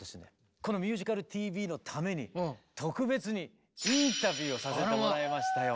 この「ミュージカルＴＶ」のために特別にインタビューをさせてもらいましたよ！